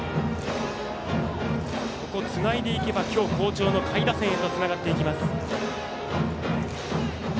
ここをつないでいけば今日、好調の下位打線へとつながっていきます。